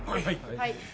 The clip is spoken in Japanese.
はい。